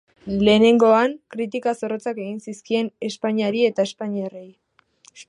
Lehenengoan, kritika zorrotzak egin zizkien Espainiari eta espainiarrei.